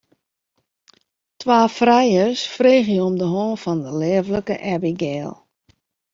Twa frijers freegje om de hân fan de leaflike Abigail.